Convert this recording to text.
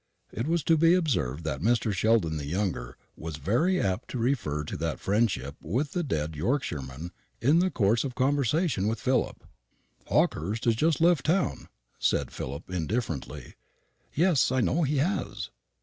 It was to be observed that Mr. Sheldon the younger was very apt to refer to that friendship with the dead Yorkshireman in the course of conversation with Philip. "Hawkehurst has just left town," said Philip indifferently. "Yes, I know he has."